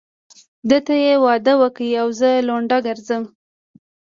ده ته يې واده وکړ او زه لونډه ګرځم.